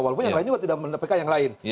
walaupun yang lain juga tidak menepelkan yang lain